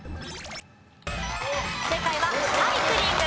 正解はサイクリング。